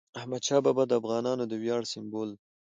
احمدشاه بابا د افغانانو د ویاړ سمبول دی.